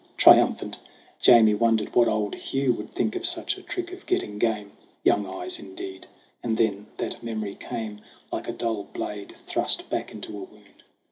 Triumphant, Jamie wondered what old Hugh Would think of such a "trick of getting game" ! "Young eyes" indeed ! And then that memory came, Like a dull blade thrust back into a wound.